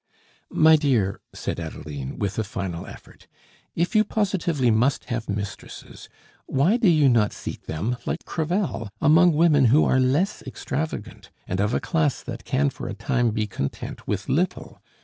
"My dear," said Adeline with a final effort, "if you positively must have mistresses, why do you not seek them, like Crevel, among women who are less extravagant, and of a class that can for a time be content with little?